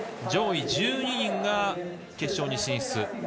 上位１２人が決勝に進出。